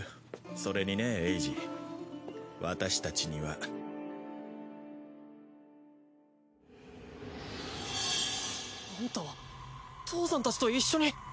それにねエイジ私たちにはアンタは父さんたちと一緒に。